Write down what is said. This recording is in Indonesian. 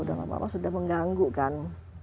dan lama lama sudah mengganggu kan